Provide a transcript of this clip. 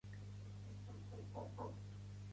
Eva és artista